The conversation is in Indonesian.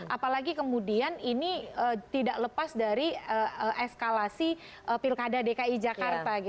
apalagi kemudian ini tidak lepas dari eskalasi pilkada dki jakarta